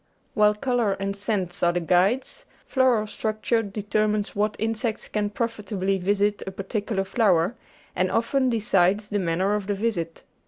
While colour and scent are the guides, floral structure deter mines what insects can profitably visit a particular flower, and often decides the manner of the visit.